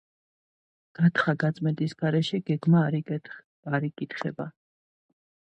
გათხრა-გაწმენდის გარეშე გეგმა არ იკითხება.